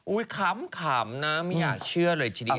ขำนะไม่อยากเชื่อเลยทีเดียว